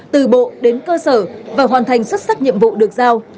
từ bộ đến cơ sở và hoàn thành xuất sắc nhiệm vụ được giao